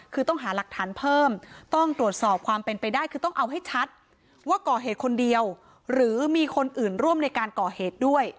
คือต้องหาหลักฐานเพิ่มต้องตรวจสอบความเป็นไปได้คือต้องเอาให้ชัดว่าก่อเหตุคนเดียวหรือมีคนอื่นร่วมในการก่อเหตุด้วย